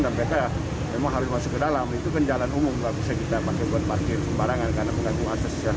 sebenarnya memang harus masuk ke dalam itu kan jalan umum gak usah kita pakai buat parkir sembarangan karena pengaku asesnya